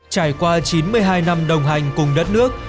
trải qua chín mươi hai năm đồng hành cùng đất nước